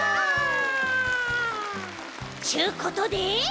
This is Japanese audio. ちゅうことで。